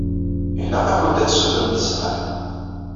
Ilaq-akent ad tsutremt ssmaḥ.